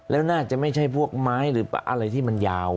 แล้วน่าจะไม่ใช่พวกไม้หรืออะไรที่มันยาว